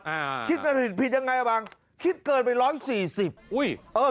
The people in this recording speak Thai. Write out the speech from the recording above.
อ่าคิดกันผิดผิดยังไงบ้างคิดเกินไปร้อยสี่สิบอุ้ยเออ